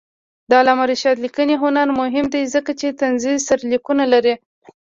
د علامه رشاد لیکنی هنر مهم دی ځکه چې طنزي سرلیکونه لري.